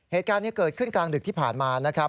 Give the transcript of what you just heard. เหตุการณ์นี้เกิดขึ้นกลางดึกที่ผ่านมานะครับ